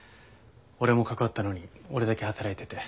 俺も関わったのに俺だけ働いてて。